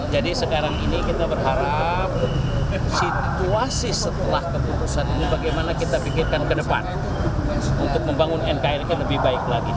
jadi sekarang ini kita berharap situasi setelah keputusan ini bagaimana kita pikirkan ke depan untuk membangun nkrk lebih baik lagi